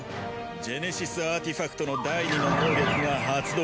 ジェネシスアーティファクトの第２の能力が発動。